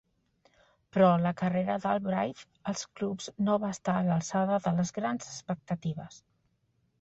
Però la carrera d'Albright als clubs no va estar a l'alçada de les grans expectatives.